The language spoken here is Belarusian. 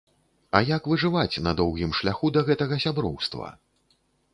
А як выжываць на доўгім шляху да гэтага сяброўства?!